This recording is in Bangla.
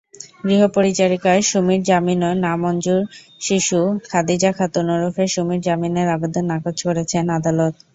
গৃহপরিচারিকা সুমির জামিনও নামঞ্জুরশিশু খাদিজা খাতুন ওরফে সুমির জামিনের আবেদন নাকচ করেছেন আদালত।